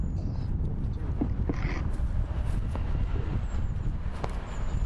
且在伦敦西南区和中央区可以优先取得停车证。